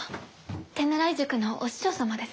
手習い塾のお師匠様です。